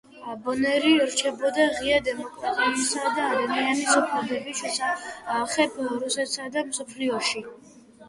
ბონერი რჩებოდა ღია დემოკრატიისა და ადამიანის უფლებების შესახებ რუსეთსა და მსოფლიოში.